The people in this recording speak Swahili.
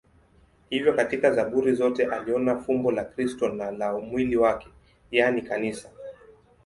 Hivyo katika Zaburi zote aliona fumbo la Kristo na la mwili wake, yaani Kanisa.